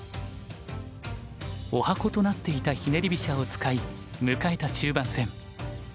おはことなっていたひねり飛車を使い迎えた中盤戦。